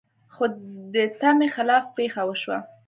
خو د تمې خلاف پېښه وشوه.